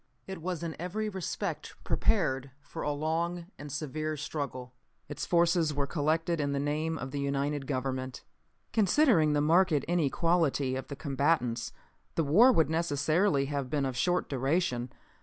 It was in every respect prepared for a long and severe struggle. Its forces were collected in the name of the united government. "Considering the marked inequality of the combatants the war would necessarily have been of short duration.